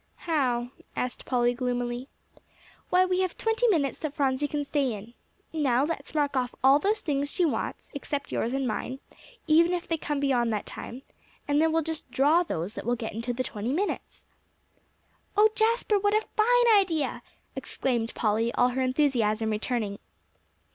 "How?" asked Polly gloomily. "Why, we have twenty minutes that Phronsie can stay in. Now, let's mark off all those things that she wants, except yours and mine, even if they come beyond the time; and then we'll draw just those that will get into the twenty minutes." "Oh, Jasper, what a fine idea!" exclaimed Polly, all her enthusiasm returning.